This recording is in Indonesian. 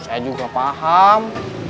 saya juga paham